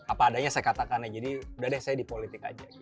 apa adanya saya katakan ya jadi udah deh saya di politik aja